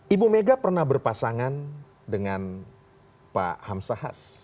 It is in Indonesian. ibu mega pernah berpasangan dengan pak hamsahas